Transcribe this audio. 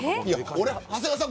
長谷川さん